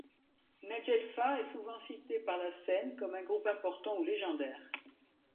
Nagelfar est souvent cité par la scène comme un groupe important ou légendaire.